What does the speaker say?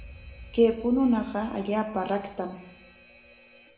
Kay puñunaqa allaapa raktam.